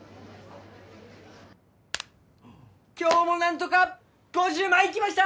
今日も何とか５０万いきました！